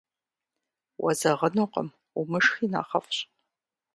Уэзэгъынукъым, умышхи нэхъыфӏщ.